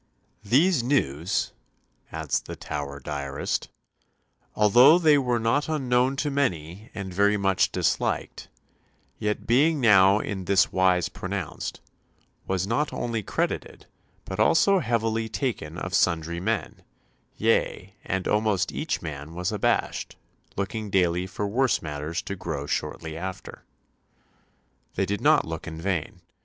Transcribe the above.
"These news," adds the Tower diarist, "although they were not unknown to many and very much disliked, yet being now in this wise pronounced, was not only credited, but also heavily taken of sundry men; yea, and almost each man was abashed, looking daily for worse matters to grow shortly after." They did not look in vain.